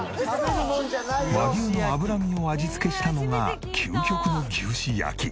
和牛の脂身を味付けしたのが究極の牛脂焼き。